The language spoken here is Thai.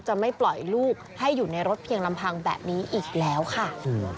ไม่ปล่อยลูกให้อยู่ในรถเพียงลำพังแบบนี้อีกแล้วค่ะ